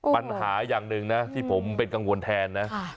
ปัญหาอย่างหนึ่งนะที่ผมเป็นกังวลแทนนะ